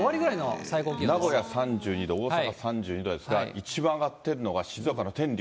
名古屋３２度、大阪３２度ですが、一番上がってるのが、静岡の天竜。